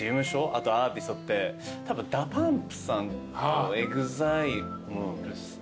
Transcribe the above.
あとアーティストってたぶんＤＡＰＵＭＰさんとＥＸＩＬＥかな？みたいな。